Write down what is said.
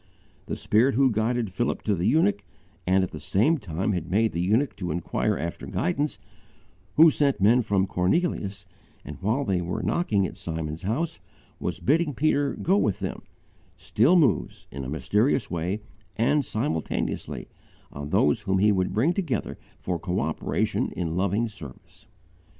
_ The Spirit who guided Philip to the Eunuch and at the same time had made the Eunuch to inquire after guidance; who sent men from Cornelius and, while they were knocking at Simon's house, was bidding Peter go with them, still moves in a mysterious way, and simultaneously, on those whom He would bring together for cooperation in loving service.